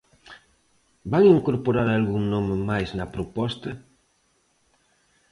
Van incorporar algún nome máis na proposta?